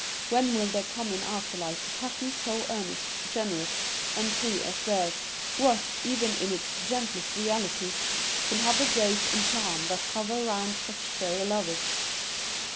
When will there come in after life a passion so earnest, generous, and true as theirs; what, even in its gentlest realities, can have the grace and charm that hover round such fairy lovers!